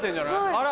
あら？